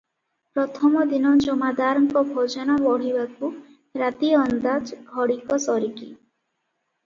ପ୍ରଥମ ଦିନ ଜମାଦାରଙ୍କ ଭୋଜନ ବଢ଼ିବାକୁ ରାତି ଅନ୍ଦାଜ ଘଡିକ ସରିକି ।